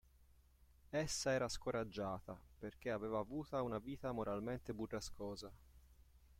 Essa era scoraggiata, perché aveva avuta una vita moralmente burrascosa.